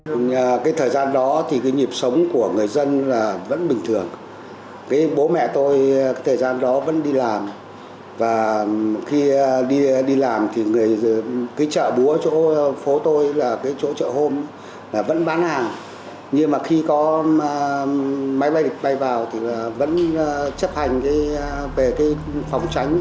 vẫn bán hàng nhưng mà khi có máy bay địch bay vào thì vẫn chấp hành về phóng tránh